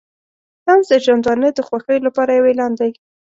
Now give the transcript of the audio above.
طنز د ژوندانه د خوښیو لپاره یو اعلان دی.